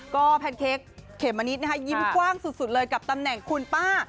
ก็แพนเค้กเขมมะนิดนะคะยิ้มกว้างสุดเลยกับตำแหน่งคุณป้า